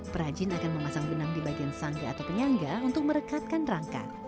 perajin akan memasang benang di bagian sangga atau penyangga untuk merekatkan rangka